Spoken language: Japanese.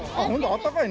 あったかい？